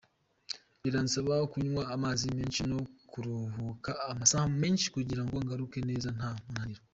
Biransaba kunywa amazi menshi no kuruhuka amasaha menshi kugira ngo ngaruke neza nta munaniro.